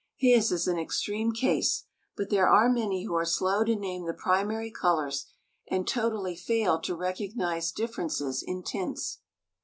His is an extreme case, but there are many who are slow to name the primary colors and totally fail to recognize differences in tints.